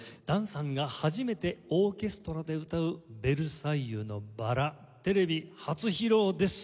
檀さんが初めてオーケストラで歌う『ベルサイユのばら』テレビ初披露です。